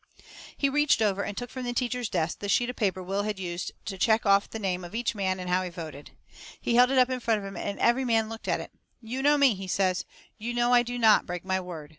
He reached over and took from the teacher's desk the sheet of paper Will had used to check off the name of each man and how he voted. He held it up in front of him and every man looked at it. "You know me," he says. "You know I do not break my word.